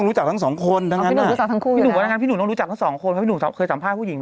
รู้จักผู้ชายหรือผู้หญิง